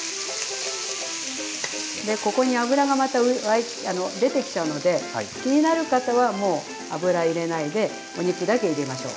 ここに脂がまた出てきちゃうので気になる方はもう脂入れないでお肉だけ入れましょう。